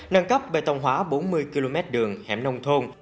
nâng cấp bê tông hóa bốn mươi km đường hẻm nông thôn